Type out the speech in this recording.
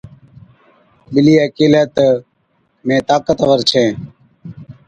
ٻلِيئَي ڪيهلَي تہ، مين طاقتوَر ڇَين،